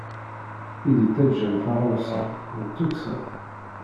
I d-ittaǧǧan taɣawsa, d tukksa.